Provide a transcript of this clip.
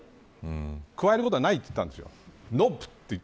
加えることはないと言ったんです。